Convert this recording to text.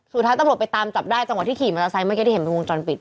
สุดท้ายตำรวจไปตามจับได้จนกว่าที่ขี่มันตาไซค์ไม่ได้เห็นเป็นวงจรปิด